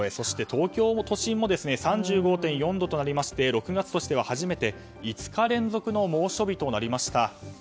東京の都心も３５．４度となりまして６月としては初めて５日連続の猛暑日となりました。